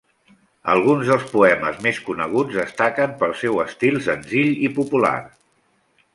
Alguns dels poemes més coneguts destaquen pel seu estil senzill i popular.